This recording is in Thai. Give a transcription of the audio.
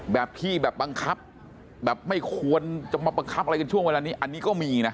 แบบที่แบบบังคับแบบไม่ควรจะมาประคับอะไรกันช่วงเวลานี้อันนี้ก็มีนะ